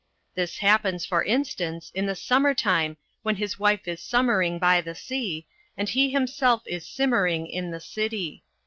This happens, for instance, in the summer time when his wife is summering by the sea, and he himself is simmering in the city.